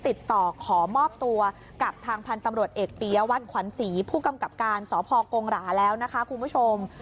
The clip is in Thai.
ติดต่อขอมอบตัวกับทางพันธุ์ตำรวจเอกปียวัตรขวัญศรีผู้กำกับการสพกงหราแล้วนะคะคุณผู้ชม